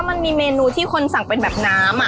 มันมีเมนูที่คนสั่งเป็นแบบน้ำ